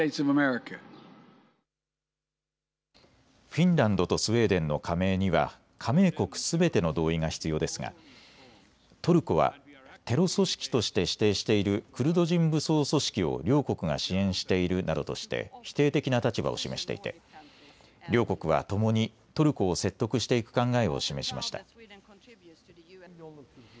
フィンランドとスウェーデンの加盟には加盟国すべての同意が必要ですがトルコはテロ組織として指定しているクルド人武装組織を両国が支援しているなどとして否定的な立場を示していて両国はともにトルコを説得していく考えを示しました。